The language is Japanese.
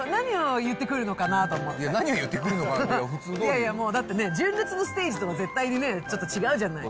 いや、何を言ってくるのかななんかね、純烈のステージとか絶対に違うじゃない。